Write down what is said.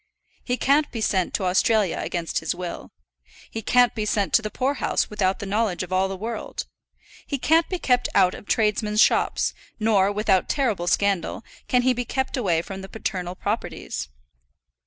He can't be sent to Australia against his will. He can't be sent to the poor house without the knowledge of all the world. He can't be kept out of tradesmen's shops; nor, without terrible scandal, can he be kept away from the paternal properties.